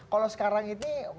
kalau sekarang ini